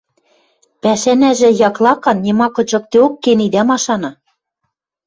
Пӓшӓнӓжӹ яклакан, нима кычыкдеок кен идӓ машаны.